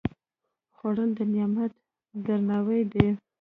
خوړل د نعمت درناوی دی